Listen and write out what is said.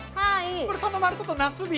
これ頼まれとったなすび。